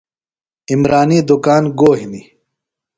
عمرانی دُکان گو ہِنیۡ ؟